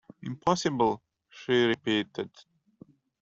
"Impossible," she repeated.